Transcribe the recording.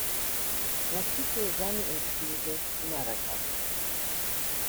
Machito sang und spielte Maracas.